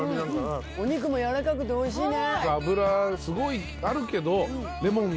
お肉もやわらかくておいしいね。